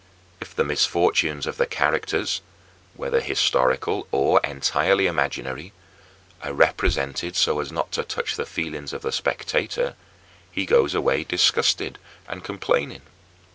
If the misfortunes of the characters whether historical or entirely imaginary are represented so as not to touch the feelings of the spectator, he goes away disgusted and complaining.